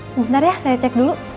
sebentar ya saya cek dulu